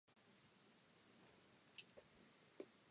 Imagine what has happened!